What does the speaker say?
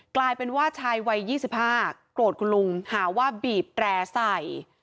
กลายเป็นว่าชายวัย๒๕โกรธคุณลุงหาว่าบีบแตร่ใส่